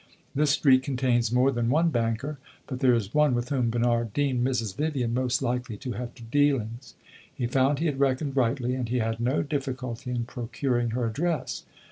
This street contains more than one banker, but there is one with whom Bernard deemed Mrs. Vivian most likely to have dealings. He found he had reckoned rightly, and he had no difficulty in procuring her address.